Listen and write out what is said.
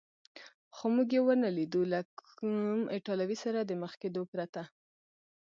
خو موږ یې و نه لیدو، له کوم ایټالوي سره د مخ کېدو پرته.